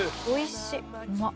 うまっ